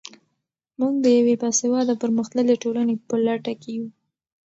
موږ د یوې باسواده او پرمختللې ټولنې په لټه کې یو.